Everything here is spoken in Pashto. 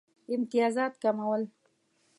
امتیازات کمول.